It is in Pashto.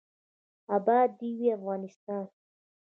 اباد دې وي افغانستان.